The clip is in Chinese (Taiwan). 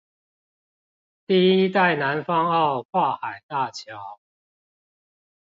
第一代南方澳跨海大橋